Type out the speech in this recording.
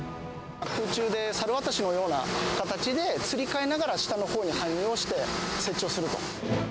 空中で猿渡しのような形で、つり替えながら下のほうに搬入をして設置をすると。